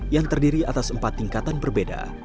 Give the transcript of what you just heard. yang terdiri atas empat tingkatan berbeda